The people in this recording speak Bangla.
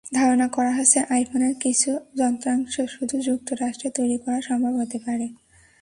ধারণা করা হচ্ছে, আইফোনের কিছু যন্ত্রাংশ শুধু যুক্তরাষ্ট্রে তৈরি করা সম্ভব হতে পারে।